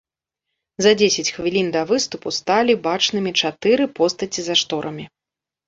За дзесяць хвілін да выступу сталі бачнымі чатыры постаці за шторамі.